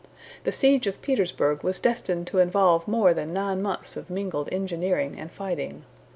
The siege of Petersburg was destined to involve more than nine months of mingled engineering and fighting.